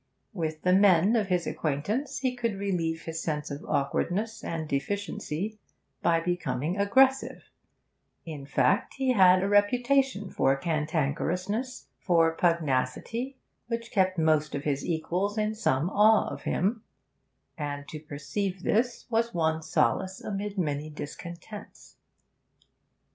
With the men of his acquaintance he could relieve his sense of awkwardness and deficiency by becoming aggressive; in fact, he had a reputation for cantankerousness, for pugnacity, which kept most of his equals in some awe of him, and to perceive this was one solace amid many discontents.